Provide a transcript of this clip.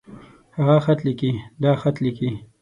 هغۀ خط ليکي. دا خط ليکي.